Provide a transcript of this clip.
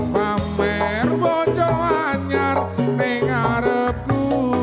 pamer bojo anjar neng arepku